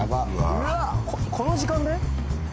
うわこの時間で？